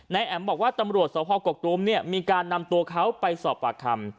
นายแอ๋มบอกว่าตำรวจสภกกกรุมเนี้ยมีการนำตัวเขาไปสอบประคัม